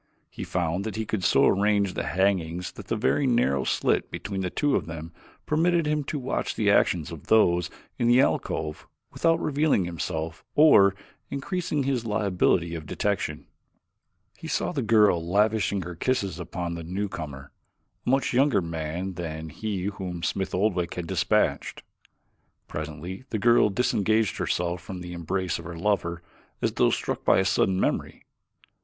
He found he could so arrange the hangings that a very narrow slit between two of them permitted him to watch the actions of those in the alcove without revealing himself or increasing his liability of detection. He saw the girl lavishing her kisses upon the newcomer, a much younger man than he whom Smith Oldwick had dispatched. Presently the girl disengaged herself from the embrace of her lover as though struck by a sudden memory.